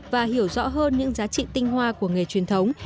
và hiểu rõ hơn những giá trị tinh hoa của nghề truyền thống